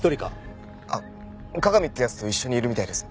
加賀美って奴と一緒にいるみたいです。